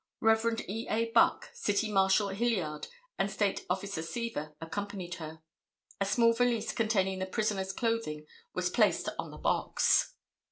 Rev. E. A. Buck, City Marshal Hilliard and State Officer Seaver accompanied her. A small valise containing the prisoner's clothing was placed on the box.